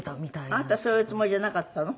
あなたはそういうおつもりじゃなかったの？